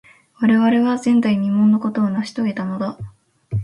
我々は、前代未聞のことを成し遂げたのだ。